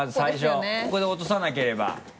ここで落とさなければ。